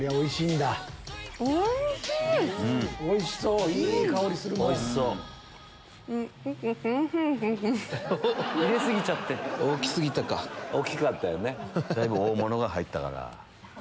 だいぶ大物が入ったから。